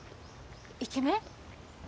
イケメン？